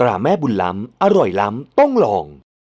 ดูแล้วคงไม่รอดเพราะเราคู่กัน